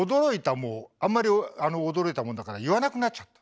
もうあんまり驚いたもんだから言わなくなっちゃった。